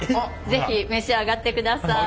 是非召し上がってください。